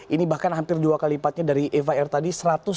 ini bahkan hampir dua kali lipatnya dari eva air tadi